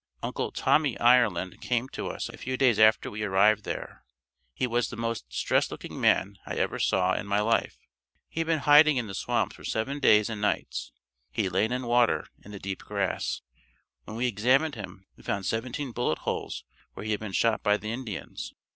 Uncle "Tommy" Ireland came to us a few days after we arrived there. He was the most distressed looking man I ever saw in my life. He had been hiding in the swamps for seven days and nights. He had lain in water in the deep grass. When we examined him, we found seventeen bullet holes where he had been shot by the Indians.